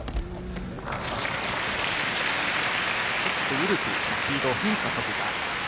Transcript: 緩くスピードを変化させた。